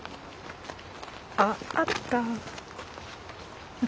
あっあった！